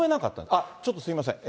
あっ、ちょっとすみません。